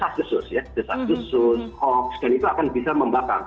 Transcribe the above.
jasad khusus dan itu akan bisa membatalkan